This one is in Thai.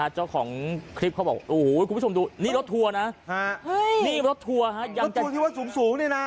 เจ้าของคลิปเขาบอกโหคุณผู้ชมดูนี่รถทัวร์นะ